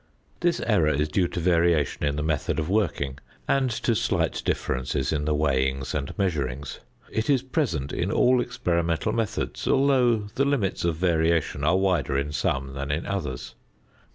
This error is due to variation in the method of working and to slight differences in the weighings and measurings; it is present in all experimental methods, although the limits of variation are wider in some than in others.